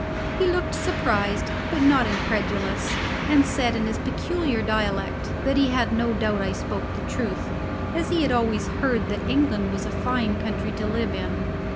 He looked surprised, but not incredulous, and said in his peculiar dialect that he had no doubt I spoke the truth, as he had always heard that England was a fine country to live in.